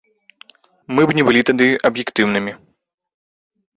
Мы б не былі тады аб'ектыўнымі.